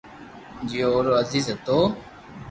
جي اوُ رو عزيز ھتو